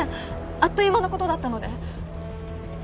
あっという間の事だったので。